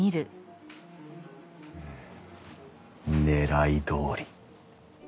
狙いどおり。